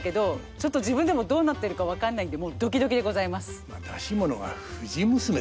ちょっと自分でもどうなってるか分かんないんでもうドキドキでございます。